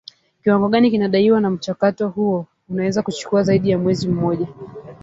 kiwango gani kinadaiwa na mchakato huo unaweza kuchukua zaidi ya mwezi mmoja